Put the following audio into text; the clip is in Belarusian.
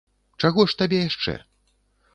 Чаго ж табе яшчэ?